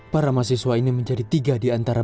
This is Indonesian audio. para mahasiswa ini menjadi tiga diantara